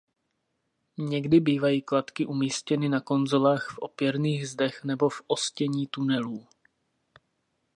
Někdy bývají kladky umístěny na konzolách v opěrných zdech nebo v ostění tunelů.